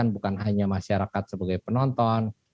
bukan hanya masyarakat sebagai penonton